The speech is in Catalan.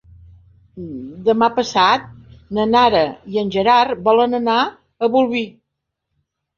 Demà passat na Nara i en Gerard volen anar a Bolvir.